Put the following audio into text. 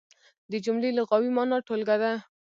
د جملې لغوي مانا ټولګه ده.